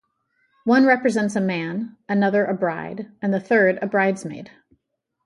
One represents a man, another a bride, and the third a bridesmaid.